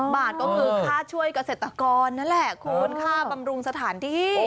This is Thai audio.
บาทก็คือค่าช่วยเกษตรกรนั่นแหละคุณค่าบำรุงสถานที่